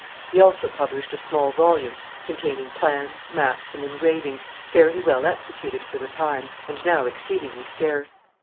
He also published a small volume containing plans, maps and engravings, fairly well executed for the time, and now exceedingly scarce.